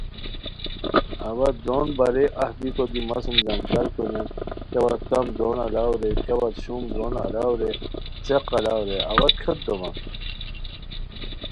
اوا درون بارئے اف بیکو دی مہ سوم جنجال کونیان، کیاوت کم درون الاؤ رے، کیاوت شوم درون الاؤ رے، څیق الاؤ رے، اوا کھیوت دومان